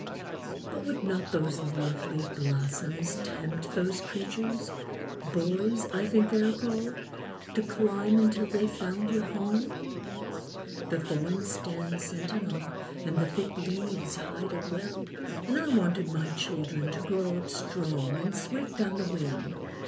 "But would not those lovely blossoms tempt those creatures—boys, I think they are called—to climb until they found your home?" "The thorns stand sentinel and the thick leaves hide it well, and I wanted my children to grow up strong, and swift on the wing.